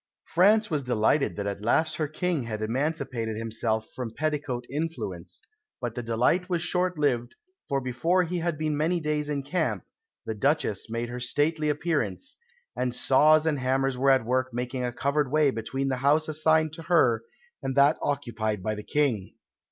France was delighted that at last her King had emancipated himself from petticoat influence, but the delight was short lived, for before he had been many days in camp the Duchesse made her stately appearance, and saws and hammers were at work making a covered way between the house assigned to her and that occupied by the King.